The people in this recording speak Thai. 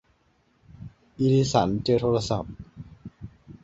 อลิสันเจอโทรศัพท์